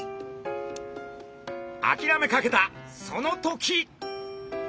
あきらめかけたその時。